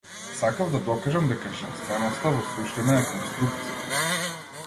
Сакав да докажам дека женственоста во суштина е конструкција.